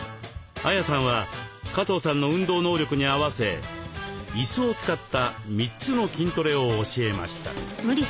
ＡＹＡさんは加藤さんの運動能力に合わせいすを使った３つの筋トレを教えました。